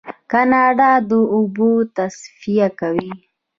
کاناډا د اوبو تصفیه کوي.